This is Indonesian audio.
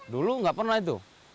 dulu gak pernah itu